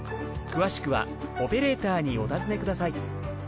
詳しくはオペレーターにお尋ねください。